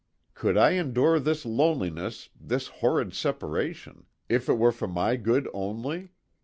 Could I endure this loneliness, this horrid separation, if it were for my good only